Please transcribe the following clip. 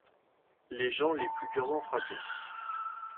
Les gens les plus durement frappés.